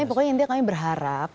pokoknya intinya kami berharap